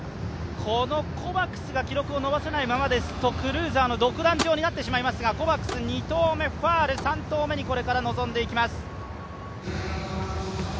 このコバクスが記録を伸ばせないままですとクルーザーの独壇場になってしまいますがコバクス２投目ファウル、３投目にこれから臨んでいきます。